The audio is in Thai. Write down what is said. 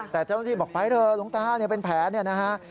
แต่เจ้าหน้าที่บอกไปเถอะหลวงตาเป็นแผลเนี่ยนะฮะ